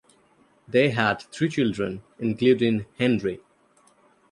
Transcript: They had three children including Henry.